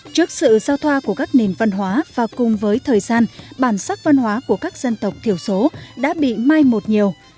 trước sự giao thoa của các nền văn hóa và cùng với thời gian bản sắc văn hóa của các dân tộc thiểu số đã bị mai một nhiều